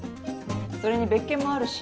それに別件もあるし。